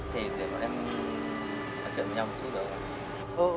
thế thì bọn em hãy chuyện với nhau một chút nữa ạ